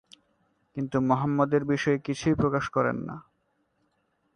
কিন্তু মোহাম্মদের বিষয়ে কিছুই প্রকাশ করেন না।